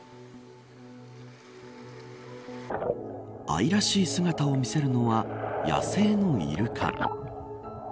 愛らしい姿を見せるのは野生のイルカ。